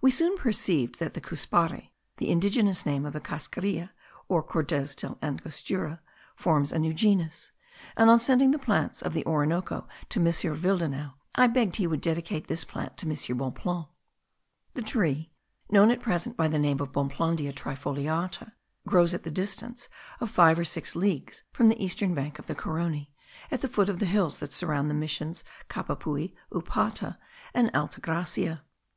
We soon perceived that the cuspare (the indigenous name of the cascarilla or corteza del Angostura) forms a new genus; and on sending the plants of the Orinoco to M. Willdenouw, I begged he would dedicate this plant to M. Bonpland. The tree, known at present by the name of Bonplandia trifoliata, grows at the distance of five or six leagues from the eastern bank of the Carony, at the foot of the hills that surround the missions Capapui, Upata and Alta Gracia.